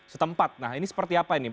setempat nah ini seperti apa ini